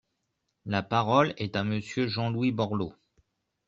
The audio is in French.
La parole est à Monsieur Jean-Louis Borloo.